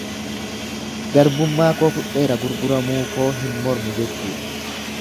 Garbummaa koo fudheera, gurguramuu koo hin mormu jechuudha.